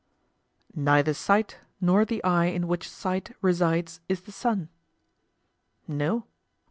Neither sight nor the eye in which sight resides is the sun? No.